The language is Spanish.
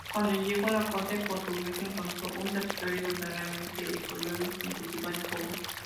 Cuando llegó la corte portuguesa, encontró un territorio verdaderamente expoliado, sin cultivar y pobre.